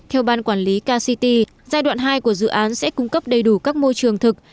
theo ban quản lý kct giai đoạn hai của dự án sẽ cung cấp đầy đủ các môi trường thực